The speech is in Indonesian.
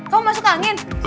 kamu masuk angin